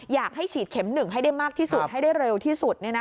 อยากให้ฉีดเข็ม๑ให้ได้มากที่สุดให้ได้เร็วที่สุด